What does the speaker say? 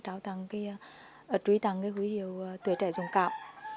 trúy tặng cái quý hiệu tuổi trẻ dùng cạo